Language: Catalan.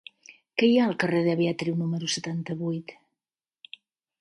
Què hi ha al carrer de Beatriu número setanta-vuit?